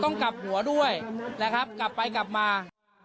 ต้องกลับหัวด้วยแล้วครับกลับไปกลับมา